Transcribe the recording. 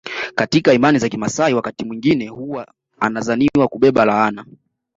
Katika imani za kimaasai wakati mwingine huwa anadhaniwa kubeba laana